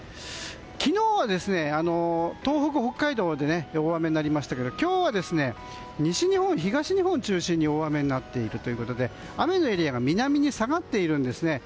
昨日は東北、北海道で大雨になりましたが今日は、西日本、東日本を中心に大雨になっているということで雨のエリアが南に下がっているんですね。